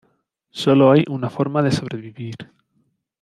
Solo hay una forma de sobrevivir".